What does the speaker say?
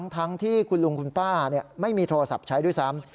ทั้งที่คุณลุงคุณป้าไม่มีโทรศัพท์ใช้ด้วยซ้ำ